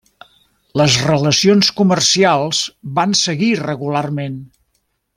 Les relacions comercials van seguir regularment.